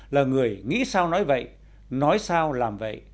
là người nghĩ sao nói vậy nói sao làm vậy